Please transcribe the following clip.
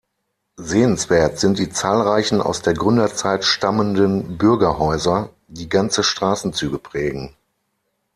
Sehenswert sind die zahlreichen aus der Gründerzeit stammenden Bürgerhäuser, die ganze Straßenzüge prägen.